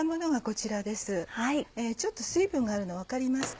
ちょっと水分があるの分かりますか？